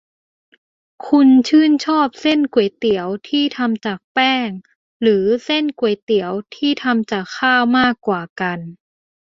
คุณชื่นชอบเส้นก๋วยเตี๋ยวที่ทำจากแป้งหรือเส้นก๋วยเตี๋ยวที่ทำจากข้าวมากกว่ากัน ?